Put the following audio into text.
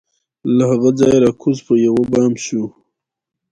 له هغه ځایه را کوز پر یوه بام سو